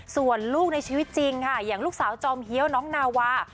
ส่วนลูกในชีวิตจริงค่ะอย่างลูกสาวจอมเฮียวน้องนาวา